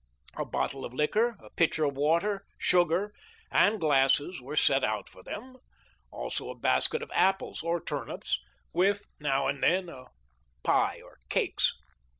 A bottle of liquor, a pitcher of water, sugar, and glasses were set out for them ; also a basket of apples or turnips, with, now and then, a pie or cakes.